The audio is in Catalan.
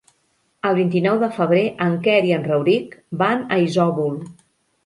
El vint-i-nou de febrer en Quer i en Rauric van a Isòvol.